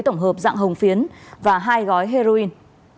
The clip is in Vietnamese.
tổng hợp dạng hồng phiến và hai gói heroin